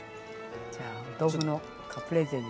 じゃあ豆腐のカプレーゼに。